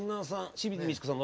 清水ミチコさん